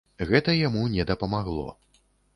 Гэта яму не дапамагло.